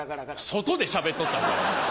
外でしゃべっとったんか。